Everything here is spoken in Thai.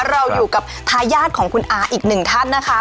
เราอยู่กับทายาทของคุณอาอีกหนึ่งท่านนะคะ